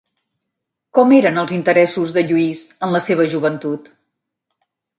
Com eren els interessos de Lluís en la seva joventut?